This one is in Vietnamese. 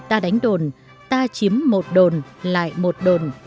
ta đánh đồn ta chiếm một đồn lại một đồn